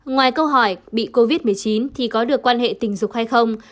ngoài câu hỏi bị covid một mươi chín thì có được quan hệ tình dục hay không